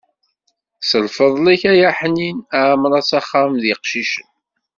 S lfeḍl-ik ay aḥnin, ɛemr-as axxam d iqcicen.